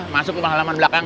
masuk ke halaman belakang